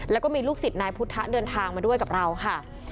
แล้วก็มีลูกศิษย์นายพุทธะเดินทางมาด้วยกับเราค่ะ